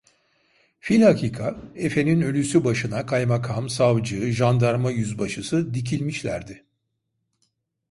Filhakika efenin ölüsü başına kaymakam, savcı, jandarma yüzbaşısı dikilmişlerdi.